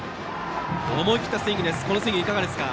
思い切ったスイングいかがですか。